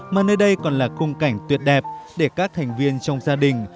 mà nơi đây còn là khung cảnh tuyệt đẹp để các thành viên trong gia đình